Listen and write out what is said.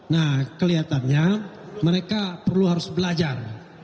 nah kelihatannya mereka perlu harus belajar